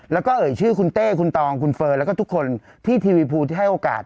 แล้วก็เอ่ยชื่อคุณเต้คุณตองคุณเฟิร์นแล้วก็ทุกคนที่ทีวีภูที่ให้โอกาส